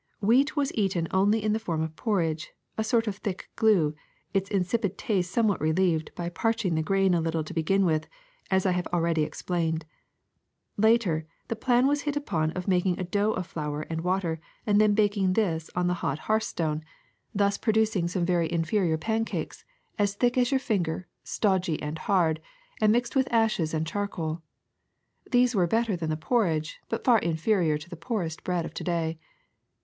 Wlieat was eaten only in the form of porridge, a sort of thick glue, its insipid taste somewhat relieved by parching the grain a little to begin with, as I have already explained. Later the plan was hit upon of making a dough of flour and water and then baking this on the hot hearthstone, 1 See "Field, Forest, and Farm." 260 THE SECRET OF EVERYDAY THINGS thus producing some very inferior pancakes, as thick as your finger, stodgy and hard, and mixed with ashes and charcoal. These were better than por ridge, but far inferior to the poorest bread of to day.